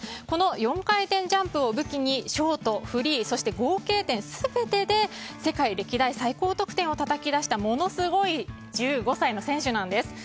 この４回転ジャンプを武器にショート、フリー、合計点全てで世界歴代最高得点をたたき出したものすごい１５歳の選手なんです。